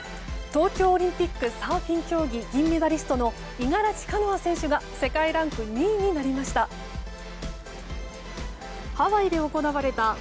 東京オリンピックサーフィン競技銀メダリストの五十嵐カノア選手が世界ランク２位になりました。